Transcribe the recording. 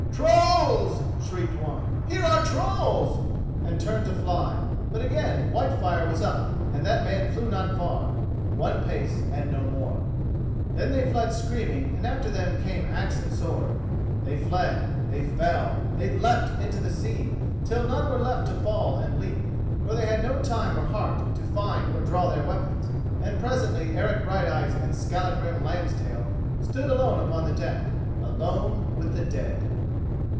"Trolls!" shrieked one. "Here are trolls!" and turned to fly. But again Whitefire was up and that man flew not far—one pace, and no more. Then they fled screaming and after them came axe and sword. They fled, they fell, they leaped into the sea, till none were left to fall and leap, for they had no time or heart to find or draw their weapons, and presently Eric Brighteyes and Skallagrim Lambstail stood alone upon the deck—alone with the dead.